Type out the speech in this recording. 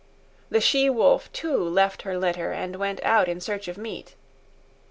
The she wolf, too, left her litter and went out in search of meat.